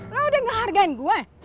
lo udah gak hargain gua